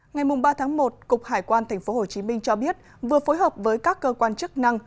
ngày ba tháng một cục hải quan tp hcm cho biết vừa phối hợp với các cơ quan chức năng